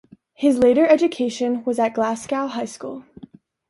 His later education was at Glasgow High School.